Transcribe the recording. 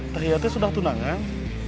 ternyata sudah tunangan